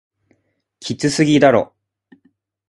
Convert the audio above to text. きつすぎだろ